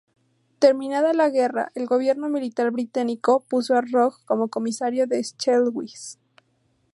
Terminada la guerra, el gobierno militar británico puso a Rogge como comisario de Schleswig.